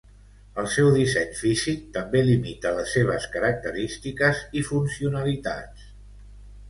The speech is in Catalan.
El seu disseny físic també limita les seves característiques i funcionalitats.